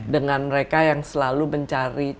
dengan mereka yang selalu mencari